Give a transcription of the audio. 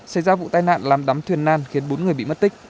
xảy ra vụ tai nạn làm đắm thuyền nan khiến bốn người bị mất tích